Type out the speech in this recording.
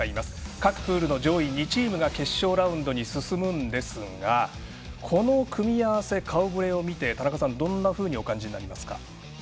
各プールの上位２チームが決勝ラウンドに進むんですがこの組み合わせ、顔ぶれを見て田中さん、どんなふうにお感じになりますか。